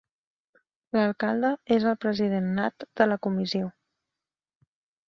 L'alcalde és el president nat de la comissió.